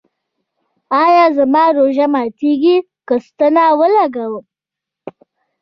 ایا زما روژه ماتیږي که ستنه ولګوم؟